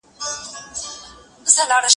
زه به سبا سندري اورم وم،